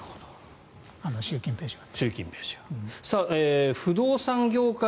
習近平氏は。